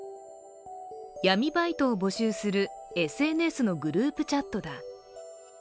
闇バイトを募集するＳＮＳのグループチャットだ。